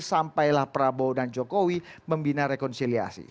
sampailah prabowo dan jokowi membina rekonsiliasi